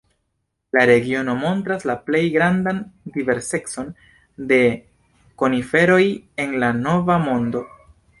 La regiono montras la plej grandan diversecon de koniferoj en la Nova Mondo.